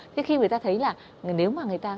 thế khi người ta thấy là nếu mà